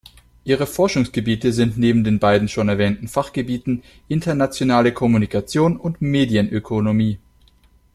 Ihre Forschungsgebiete sind neben den beiden schon erwähnten Fachgebieten Internationale Kommunikation und Medienökonomie.